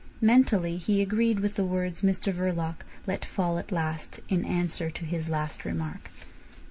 Mentally he agreed with the words Mr Verloc let fall at last in answer to his last remark.